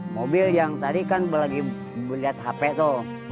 mobil yang tadi kan lagi melihat hp tuh